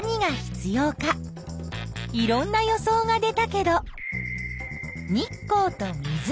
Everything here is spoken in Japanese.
いろんな予想が出たけど日光と水